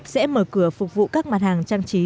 sẽ mở cửa phục vụ các mặt hàng trang trí